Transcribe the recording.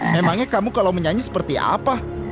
memangnya kamu kalau menyanyi seperti apa